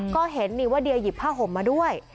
ก็เห็นนี่ว่าเดียหยิบผ้าห่มมาด้วย